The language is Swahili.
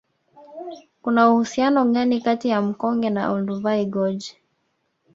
Kuna uhusiano gani kati ya mkonge na Olduvai Gorge